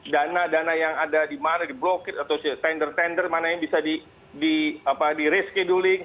dana dana yang ada di mana di blocket atau tender tender mana yang bisa di rescheduling